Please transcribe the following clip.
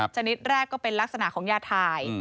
ชนิดแรกก็เป็นลักษณะของยาถ่าย